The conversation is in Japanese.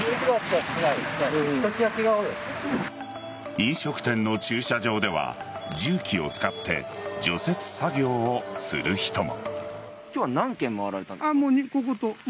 飲食店の駐車場では重機を使って除雪作業をする人も。